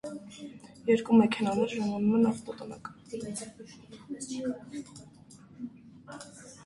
Երկու մեքենաներ ժամանում են ավտոտնակ։